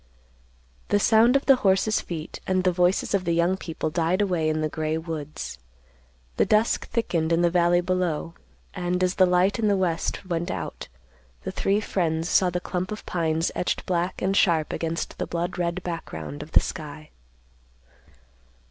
The sound of the horses' feet and the voices of the young people died away in the gray woods. The dusk thickened in the valley below, and, as the light in the west went out, the three friends saw the clump of pines etched black and sharp against the blood red background of the sky.